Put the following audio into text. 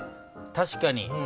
確かに。